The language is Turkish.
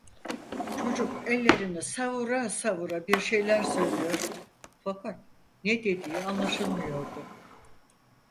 Çocuk ellerini savura savura bir şey söylüyor, fakat ne dediği anlaşılmıyordu.